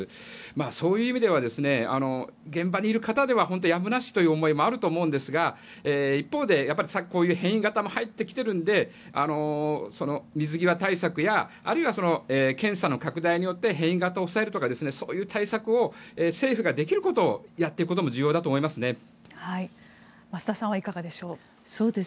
そういう意味では現場にいる方では本当にやむなしということもあると思うんですが一方で変異型も入ってきているので水際対策やあるいは検査の拡大によって変異型を抑えるとかそういう対策政府ができることをやっていくことも重要だと思います。